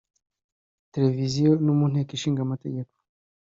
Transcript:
televisiyo no mu Nteko Ishinga Amategeko